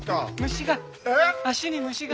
虫が。